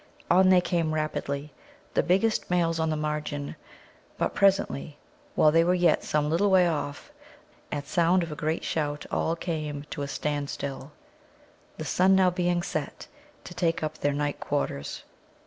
On they came rapidly, the biggest males on the margins. But presently, while they were yet some little way off, at sound of a great shout all came to a standstill, the sun now being set, to take up their night quarters.